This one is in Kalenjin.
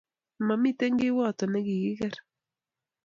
Mamitei kiwato nikikeker